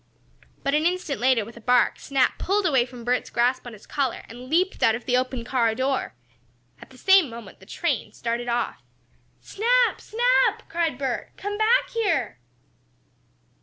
But, an instant later, with a bark, Snap pulled away from Bert's grasp on his collar, and leaped out of the open car door. At the same moment the train started off. "Snap! Snap!" cried Bert. "Come back here!"